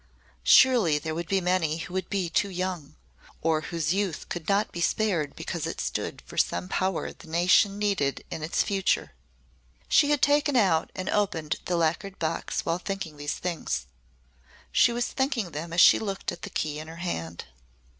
Surely there would be many who would be too young or whose youth could not be spared because it stood for some power the nation needed in its future. She had taken out and opened the lacquered box while thinking these things. She was thinking them as she looked at the key in her hand.